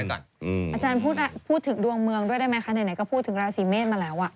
อาจารย์พูดถึงดวงเมืองด้วยได้ไหมคะไหนก็พูดถึงราศีเมษมาแล้ว